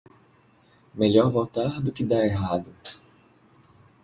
Melhor voltar do que dar errado.